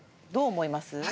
どう思います？